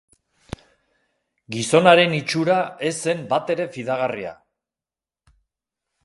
Gizon haren itxura ez zen batere fidagarria.